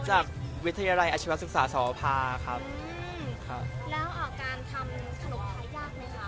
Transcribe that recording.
จากวิทยาลัยอาชีวศึกษาสภาครับอืมครับแล้วอ่าการทำขนมไทยยากไหมคะ